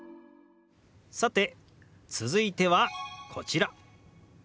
さて続いてはこちら。